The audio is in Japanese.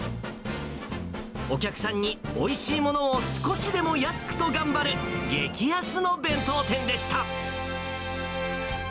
お客さんにおいしいものを少しでも安くと頑張る、激安の弁当店でした。